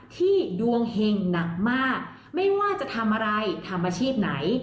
ดวงเห็งหนักมากไม่ว่าจะทำอะไรทำอาชีพไหน